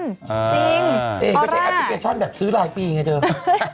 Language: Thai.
จริงตอนแรกเอก็ใช้แอปพลิเคชันแบบซื้อหลายปีอย่างเงี้ยเธอ